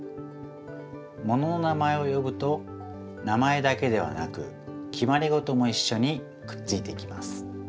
ものの名前をよぶと名前だけではなくきまりごともいっしょにくっついてきます。